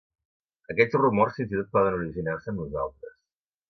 Aquests rumors fins i tot poden originar-se amb nosaltres.